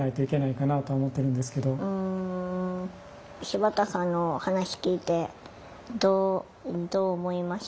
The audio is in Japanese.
柴田さんの話聞いてどう思いました？